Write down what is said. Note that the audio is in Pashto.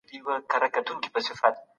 سرلوړي یوازي په مېړانه کي موندل کېږي.